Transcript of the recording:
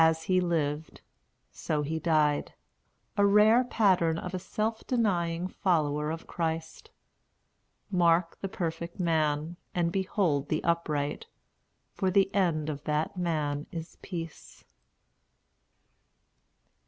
As he lived, so he died, a rare pattern of a self denying follower of Christ. 'Mark the perfect man, and behold the upright; for the end of that man is peace.'"